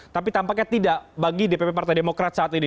tapi tampaknya tidak bagi dpp partai demokrat saat ini